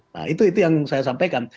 nah itu yang saya sampaikan